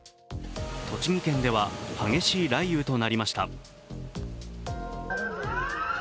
栃木県では激しい雷雨となりました。